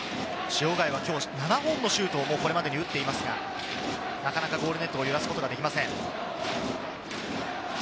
塩貝は７本のシュートをこれまで打っていますが、なかなかゴールネットを揺らすことができません。